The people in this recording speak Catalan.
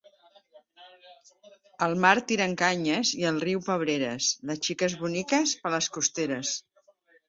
Al mar tiren canyes i al riu pebreres, les xiques boniques per les costeres.